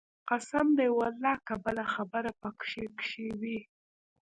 قسم دى ولله که بله خبره پکښې کښې وي.